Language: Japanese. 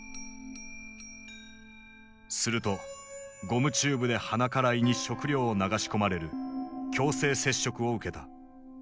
するとゴムチューブで鼻から胃に食料を流し込まれる強制摂食を受けた。